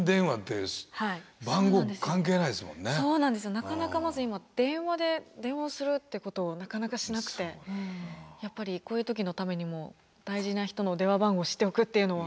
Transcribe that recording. なかなかまず今電話で電話するってことをなかなかしなくてやっぱりこういう時のためにも大事な人の電話番号知っておくっていうのは。